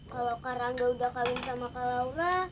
kalau kak rangga udah kawin sama kak laura